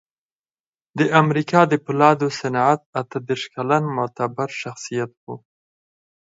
د امریکا د پولادو صنعت اته دېرش کلن معتبر شخصیت و